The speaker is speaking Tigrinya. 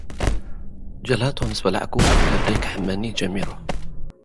ጀላቶ ምስ በላዕኩ፡ ከብደይ ከሕምመኒ ጀሚሩ።